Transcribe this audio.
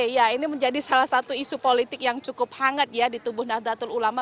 ya ini menjadi salah satu isu politik yang cukup hangat ya di tubuh nahdlatul ulama